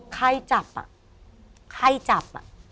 ไข้จับอะไข้จับอะ